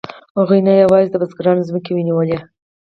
هغوی نه یوازې د بزګرانو ځمکې ونیولې